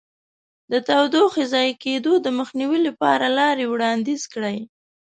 د تودوخې ضایع کېدو د مخنیوي لپاره لارې وړاندیز کړئ.